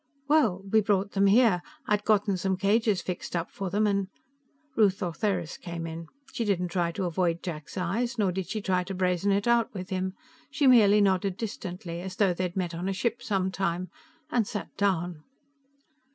"Well, we brought them here. I'd gotten some cages fixed up for them, and " Ruth Ortheris came in. She didn't try to avoid Jack's eyes, nor did she try to brazen it out with him. She merely nodded distantly, as though they'd met on a ship sometime, and sat down.